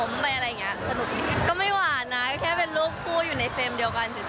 สนุกก็ไม่หวานนะแค่เป็นรูปคู่อยู่ในเฟรมเดียวกันเฉย